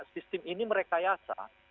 sistem ini merekayasa